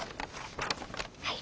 はい。